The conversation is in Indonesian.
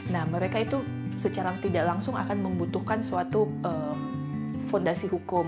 nah mereka itu secara tidak langsung akan membutuhkan suatu fondasi hukum